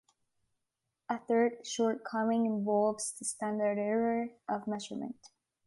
A third shortcoming involves the standard error of measurement.